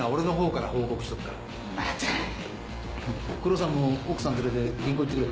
黒さんも奥さん連れて銀行行ってくれ。